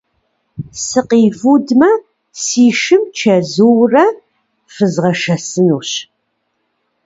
Сыкъивудмэ, си шым чэзуурэ фызгъэшэсынущ.